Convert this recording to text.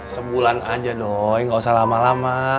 sembulan aja doi gak usah lama lama